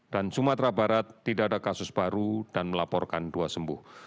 sumatera barat tidak ada kasus baru dan melaporkan dua sembuh